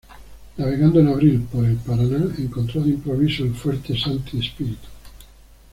Navegando en abril por el Paraná, encontró de improviso el fuerte Sancti Spiritu.